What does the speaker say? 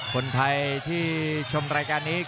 คนไทยที่ชมรายการนี้